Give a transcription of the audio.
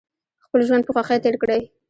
خپل ژوند په خوښۍ تیر کړئ